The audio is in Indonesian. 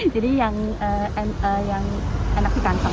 jadi yang enak sih kantong